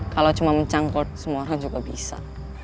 kalau cuma mencangkul semua orang juga bisa